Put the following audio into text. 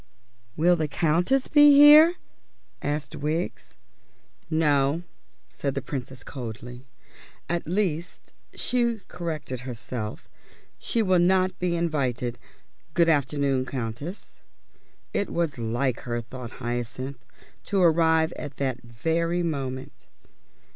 "Will the Countess be here?" asked Wiggs. "No," said the Princess coldly. "At least," she corrected herself, "she will not be invited. Good afternoon, Countess." It was like her, thought Hyacinth, to arrive at that very moment.